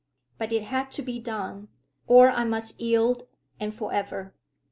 But it had to be done, or I must yield, and for ever.